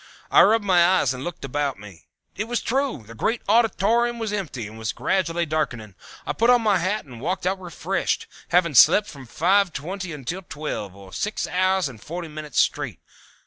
I rubbed my eyes and looked about me. It was true, the great auditorium was empty, and was gradually darkening. I put on my hat and walked out refreshed, having slept from five twenty until twelve, or six hours and forty minutes, straight.